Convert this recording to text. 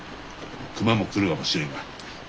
熊も来るかもしれんが。